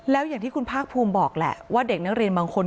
แล้วอย่างที่คุณภาคภูมิบอกแหละว่าเด็กนักเรียนบางคน